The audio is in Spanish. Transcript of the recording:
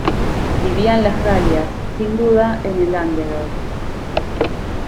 Vivía en las Galias, sin duda en el Languedoc.